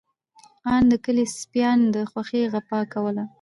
آن د کلي سپيانو د خوښۍ غپا کوله.